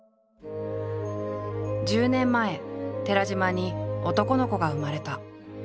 １０年前寺島に男の子が生まれた。